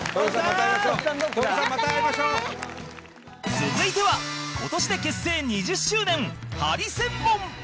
続いては今年で結成２０周年ハリセンボン